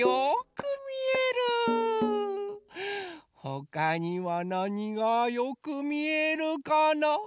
ほかにはなにがよくみえるかな？